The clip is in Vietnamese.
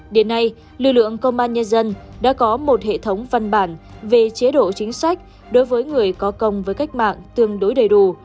đến nay lực lượng công an nhân dân đã có một hệ thống văn bản về chế độ chính sách đối với người có công với cách mạng tương đối đầy đủ